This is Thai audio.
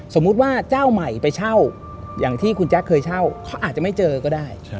สมมุติว่าเจ้าใหม่ไปเช่าอย่างที่คุณแจ๊คเคยเช่าเขาอาจจะไม่เจอก็ได้